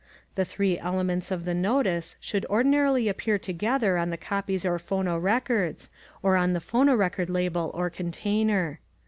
The three elements of the notice should ordinarily appear together on the copies or phonorecords or on the phonorecord label or container.